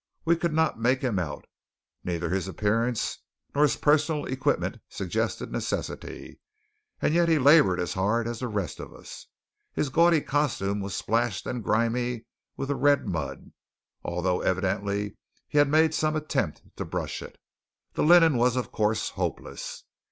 We could not make him out. Neither his appearance nor his personal equipment suggested necessity; and yet he laboured as hard as the rest of us. His gaudy costume was splashed and grimy with the red mud, although evidently he had made some attempt to brush it. The linen was, of course, hopeless.